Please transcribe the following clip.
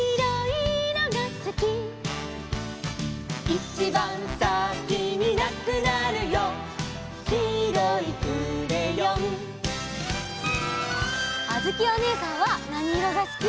「いちばんさきになくなるよ」「きいろいクレヨン」あづきおねえさんはなにいろがすき？